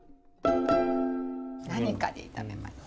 何かで炒めました。